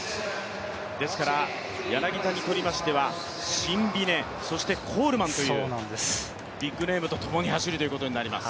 ですから柳田にとりましてはシンビネ、そしてコールマンというビッグネームとともに走るということになります。